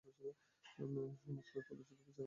সমস্ত পদচ্যুত বিচারপতি পুনরায় নিয়োগ গ্রহণ করেছেন।